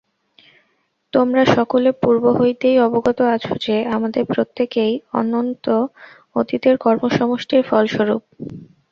তোমরা সকলে পূর্ব হইতেই অবগত আছ যে, আমাদের প্রত্যেকেই অনন্ত অতীতের কর্মসমষ্টির ফলস্বরূপ।